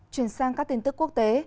chuyển sang các tin tức quốc tế